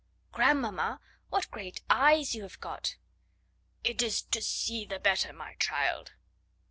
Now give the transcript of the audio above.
"Grandmamma, what great eyes you have got!" "It is to see the better, my child."